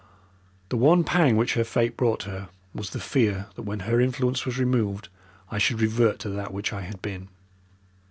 The one pang which her fate brought to her was the fear that when her influence was removed I should revert to that which I had been.